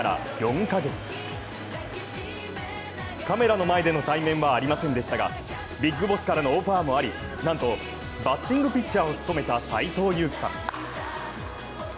カメラの前での対面はありませんでしたがビッグボスからのオファーもあり、なんとバッティングピッチャーを務めた斎藤佑樹さん